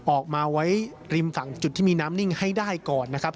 ออกมาไว้ริมฝั่งจุดที่มีน้ำนิ่งให้ได้ก่อนนะครับ